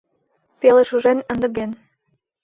Пеле шужен эндыген